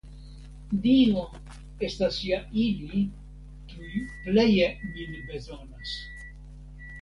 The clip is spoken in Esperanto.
Dio, estas ja ili, kiuj pleje min bezonas.